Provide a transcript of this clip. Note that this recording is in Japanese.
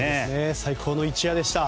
最高の一夜でした。